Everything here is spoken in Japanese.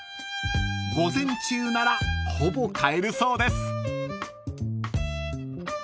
［午前中ならほぼ買えるそうです］